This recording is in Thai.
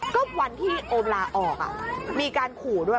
ก็วันที่โอมลาออกมีการขู่ด้วย